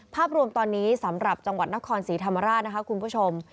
ภาพรวมตอนนี้สำหรับจังหวัดนครศรีธรรมราชนะคะคุณผู้ชม